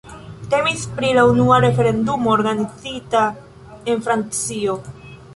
Temis pri la unua referendumo organizita en Francio.